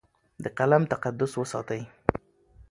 د قلم تقدس وساتئ.